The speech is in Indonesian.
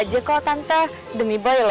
beri aku raditya